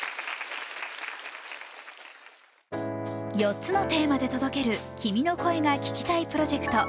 ４つのテーマで届ける君の声が聴きたいプロジェクト。